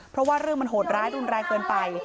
เพราะว่าเรื่องมันโหดร้ายรุนแรงเกินไป